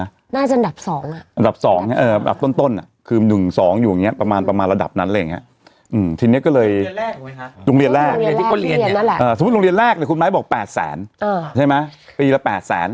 น่าจะอันดับ๒อ่ะคือ๑๒อยู่ประมาณระดับนั้นเลยทีนี้ก็เลยสมมุติโรงเรียนแรกคุณไม้บอก๘แสนปีละ๘แสน